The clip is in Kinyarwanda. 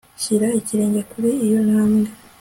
shira ikirenge kuri iyo ntambwe